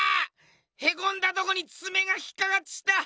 へこんだとこにつめが引っかかっちった！